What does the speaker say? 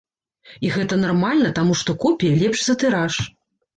І гэта нармальна, таму што копія лепш за тыраж.